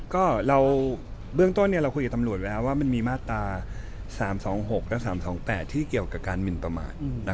ก็เรากลัวนี้เราคุยกับตำรวจว่ามีมาตรา๓๒๖และ๓๒๘ที่เกี่ยวกับการมินประมาท